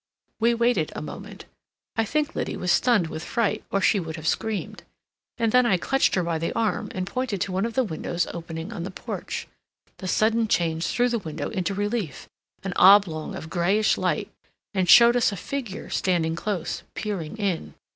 We waited a moment; I think Liddy was stunned with fright, or she would have screamed. And then I clutched her by the arm and pointed to one of the windows opening on the porch. The sudden change threw the window into relief, an oblong of grayish light, and showed us a figure standing close, peering in.